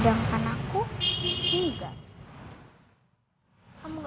orang yang tadi siang dimakamin